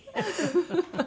フフフ！